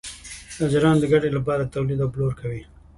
تاجران د ګټې لپاره تولید او پلور کوي.